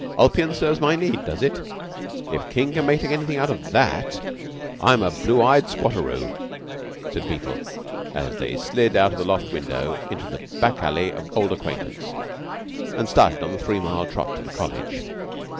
Ulpian serves my need, does it? If King can make anything out of that, I'm a blue eyed squatteroo," said Beetle, as they slid out of the loft window into a back alley of old acquaintance and started on a three mile trot to the College.